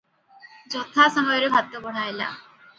ଯଥା ସମୟରେ ଭାତ ବଢ଼ା ହେଲା ।